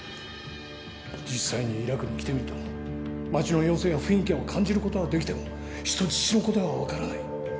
実際にイラクに来てみたら、街の様子や雰囲気を感じることができても、人質のことは分からない。